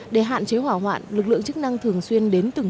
để hạn chế hỏa hoạn lực lượng chức năng thường xuyên đến từng